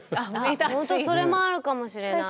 本当それもあるかもしれない。